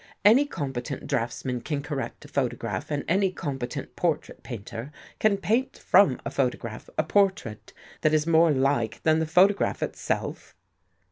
Any competent draughtsman can correct a photograph and any com petent portrait painter can paint from a photograph a portrait that is more like than the photograph it self."